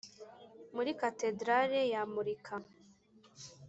muri katedrali yamurika,